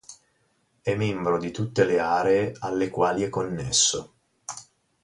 È membro di tutte le aree alle quali è connesso.